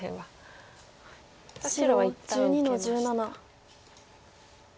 白は一旦受けました。